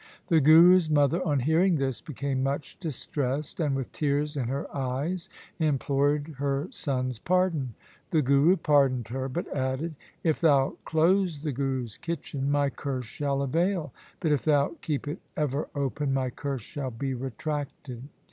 The Guru's mother on hearing this became much distressed, and with tears in her eyes implored her son's pardon. The Guru pardoned her, but added, ' If thou close the Guru's kitchen, my curse shall avail, but if thou keep it ever open, my curse shall be retracted.'